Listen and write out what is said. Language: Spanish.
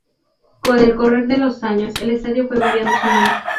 Con el correr de los años, el estadio fue variando su nombre.